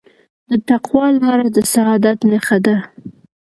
د تقوی لاره د سعادت نښه ده.